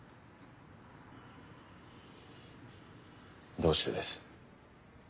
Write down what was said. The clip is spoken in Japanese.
どうしてです？